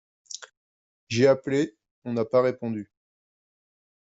J'ai appelé, on n'a pas répondu.